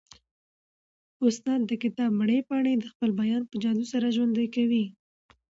استاد د کتاب مړې پاڼې د خپل بیان په جادو سره ژوندۍ کوي.